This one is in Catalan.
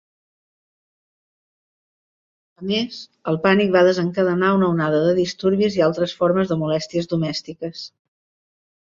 A més, el pànic va desencadenar una onada de disturbis i altres formes de molèsties domèstiques.